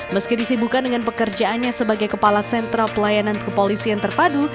meski disibukan dengan pekerjaannya sebagai kepala sentra pelayanan kepolisian terpadu